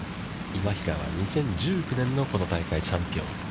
今平は、２０１９年のこの大会チャンピオン。